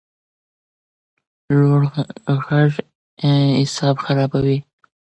لوړ غږ اعصاب خرابوي